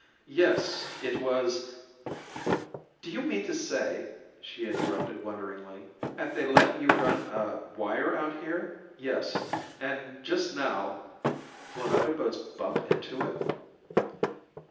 "Yes, it was " "Do you mean to say," she interrupted wonderingly, "'at they let you run a wire out here?" "Yes, and just now " "Won't other boats bump into it?"